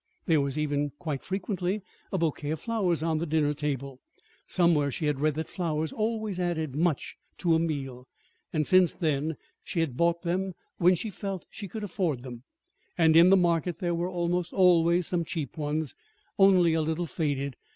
There was even quite frequently a bouquet of flowers on the dinner table. Somewhere she had read that flowers always added much to a meal; and since then she had bought them when she felt that she could afford them. And in the market there were almost always some cheap ones, only a little faded.